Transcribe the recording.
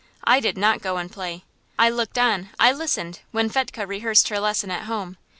I did not go and play; I looked on, I listened, when Fetchke rehearsed her lesson at home.